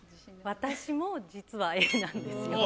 私も実はＡなんですよああ